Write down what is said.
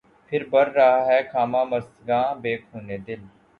پهر بهر رہا ہے خامہ مژگاں، بہ خونِ دل